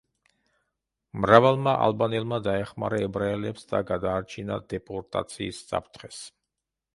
მრავალმა ალბანელმა დაეხმარა ებრაელებს და გადაარჩინა დეპორტაციის საფრთხეს.